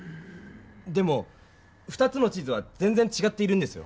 でも２つの地図は全ぜんちがっているんですよ。